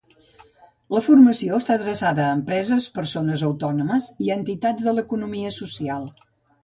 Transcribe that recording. La formació està adreçada a empreses, persones autònomes i entitats de l'economia social.